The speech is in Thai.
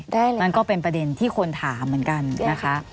ได้เลยค่ะมันก็เป็นประเด็นที่ควรถามเหมือนกันนะคะ